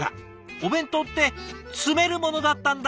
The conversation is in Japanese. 「お弁当って詰めるものだったんだ！」。